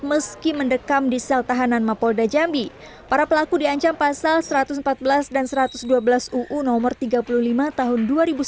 meski mendekam di sel tahanan mapolda jambi para pelaku diancam pasal satu ratus empat belas dan satu ratus dua belas uu no tiga puluh lima tahun dua ribu sembilan belas